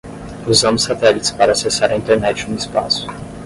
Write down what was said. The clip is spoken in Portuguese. Usando satélites para acessar a Internet no espaço